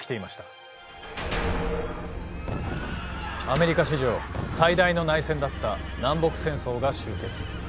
アメリカ史上最大の内戦だった南北戦争が終結。